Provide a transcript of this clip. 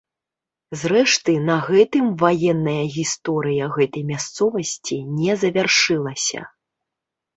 Зрэшты на гэтым ваенная гісторыя гэтай мясцовасці не завяршылася.